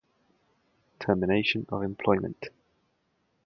Termination of employment.